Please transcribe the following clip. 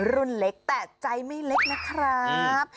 รุ่นเล็กแต่ใจไม่เล็กนะครับ